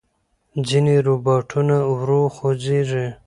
ځینې روباټونه ورو خوځېږي.